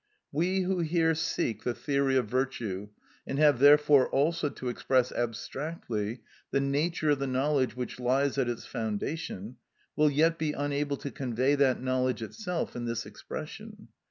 We who here seek the theory of virtue, and have therefore also to express abstractly the nature of the knowledge which lies at its foundation, will yet be unable to convey that knowledge itself in this expression.